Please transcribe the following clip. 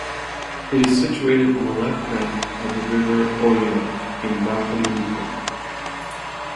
It is situated on the left bank of the river Oglio, in Val Camonica.